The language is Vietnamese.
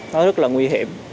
nó rất là nguy hiểm